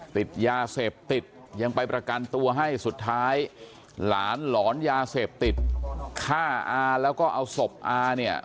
ติดยาเสพติดยังไปประกันตัวให้สุดท้ายหลานหลอนยาเสพติดฆ่าอาแล้วก็เอาศพอาเนี่ย